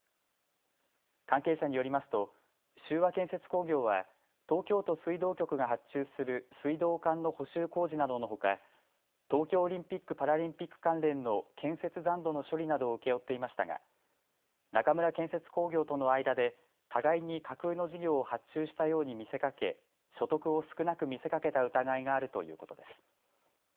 関係者によりますと秀和建設工業は東京都水道局が発注する水道管の補修工事などのほか東京オリンピック・パラリンピック関連の建設残土の処理などを請け負っていましたが中村建設工業との間で互いに架空の事業を発注したように見せかけ所得を少なく見せかけた疑いがあるということです。